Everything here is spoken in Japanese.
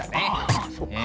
ああそうか。